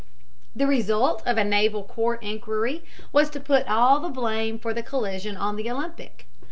The result of a naval court inquiry was to put all the blame for the collision on the Olympic.